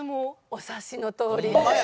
お察しのとおり。